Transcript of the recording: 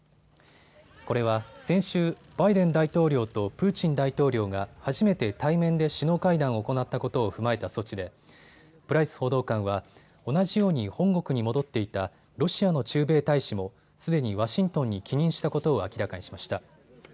これは先週、バイデン大統領とプーチン大統領が初めて対面で首脳会談を行ったことを踏まえた措置でプライス報道官は同じように本国に戻っていたロシアの駐米大使もすでにワシントンに帰任したことを明らかにしました。